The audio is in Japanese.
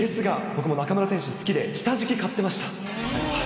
僕も中村選手好きで、下敷き買ってました。